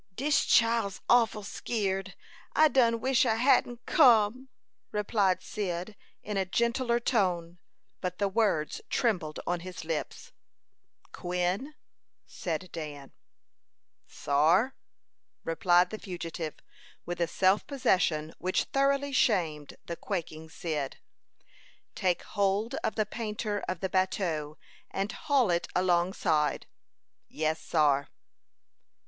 "Dis chile's awful skeered. I done wish I hadn't come," replied Cyd, in a gentler tone; but the words trembled on his lips. "Quin," said Dan. "Sar," replied the fugitive, with a self possession which thoroughly shamed the quaking Cyd. "Take hold of the painter of the bateau, and haul it alongside." "Yes, sar."